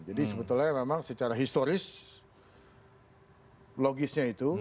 jadi sebetulnya memang secara historis logisnya itu